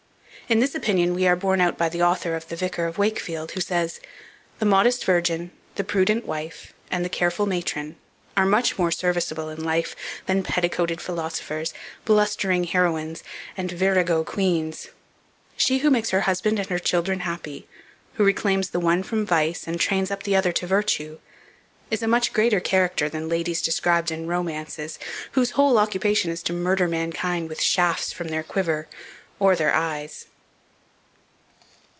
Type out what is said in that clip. In this opinion we are borne out by the author of "The Vicar of Wakefield," who says: "The modest virgin, the prudent wife, and the careful matron, are much more serviceable in life than petticoated philosophers, blustering heroines, or virago queens. She who makes her husband and her children happy, who reclaims the one from vice and trains up the other to virtue, is a much greater character than ladies described in romances, whose whole occupation is to murder mankind with shafts from their quiver, or their eyes."